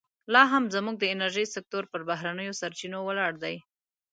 لا هم زموږ د انرژۍ سکتور پر بهرنیو سرچینو ولاړ دی.